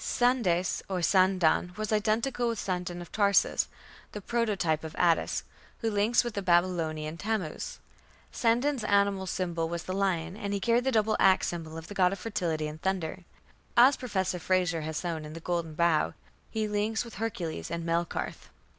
Sandes or Sandan was identical with Sandon of Tarsus, "the prototype of Attis", who links with the Babylonian Tammuz. Sandon's animal symbol was the lion, and he carried the "double axe" symbol of the god of fertility and thunder. As Professor Frazer has shown in The Golden Bough, he links with Hercules and Melkarth.